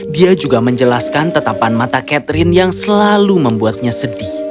dia juga menjelaskan tetapan mata catherine yang selalu membuatnya sedih